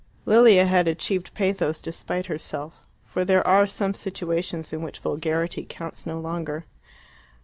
Lilia had achieved pathos despite herself, for there are some situations in which vulgarity counts no longer.